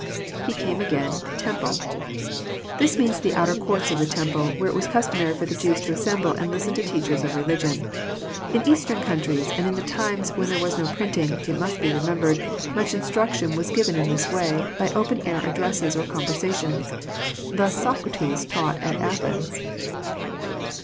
[He came again,.. temple.'] This means the outer courts of the temple, where It was customary for the Jews to assemble and listen to teachers of religion. In eastern countries and in the times when there was no printing, it must be remembered, much Instruction was given in this way, by open air addresses or conversations. Thus Socrates taught at Athens.